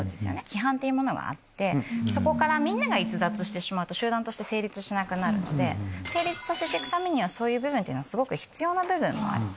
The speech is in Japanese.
規範っていうものがあってそこからみんなが逸脱してしまうと集団として成立しなくなるので成立させて行くためにはそういう部分っていうのはすごく必要な部分もある。